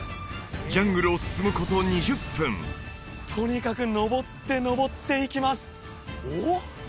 ジャングルを進むこと２０分とにかく登って登っていきますおっ？